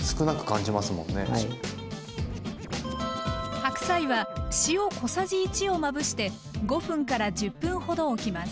白菜は塩小さじ１をまぶして５分１０分ほどおきます。